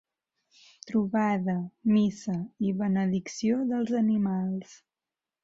Trobada, missa i benedicció dels animals.